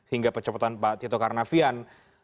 hingga pencopotan pak tito karnavian